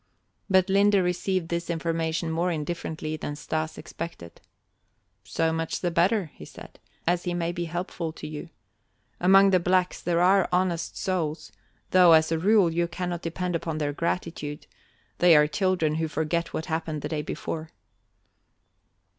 But Linde received this information more indifferently than Stas expected. "So much the better," he said, "as he may be helpful to you. Among the blacks there are honest souls, though as a rule you cannot depend upon their gratitude; they are children who forget what happened the day before."